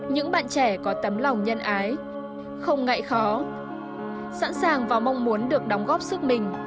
những bạn trẻ có tấm lòng nhân ái không ngại khó sẵn sàng và mong muốn được đóng góp sức mình